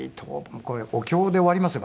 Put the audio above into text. これお経で終わりますよ